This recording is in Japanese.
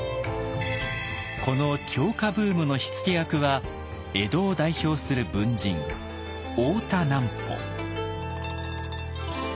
この「狂歌」ブームの火付け役は江戸を代表する文人大田南畝。